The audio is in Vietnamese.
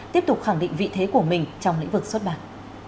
tiếp tục khẳng định vị thế của mình trong lĩnh vực xuất bản